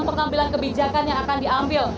pengambilan kebijakan yang akan diambil